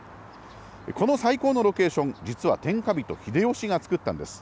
この最高のロケーション、実は天下人、秀吉が作ったんです。